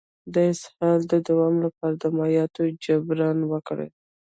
د اسهال د دوام لپاره د مایعاتو جبران وکړئ